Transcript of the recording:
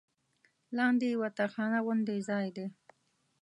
لاندې یوه تاخانه غوندې ځای دی.